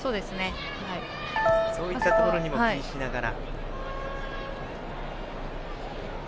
そういったことも気にしながら。